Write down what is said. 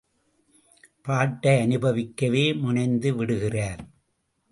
பாட்டை அனுபவிக்கவே முனைந்து விடுகிறார்.